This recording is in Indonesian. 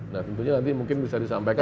nah tentunya nanti mungkin bisa disampaikan